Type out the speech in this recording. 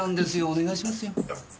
お願いしますよ。